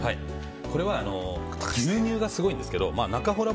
これは牛乳がすごいんですけどなかほら